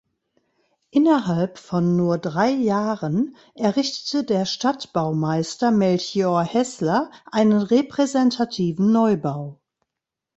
Innerhalb von nur drei Jahren errichtete der Stadtbaumeister Melchior Heßler einen repräsentativen Neubau.